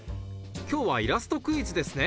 今日はイラストクイズですね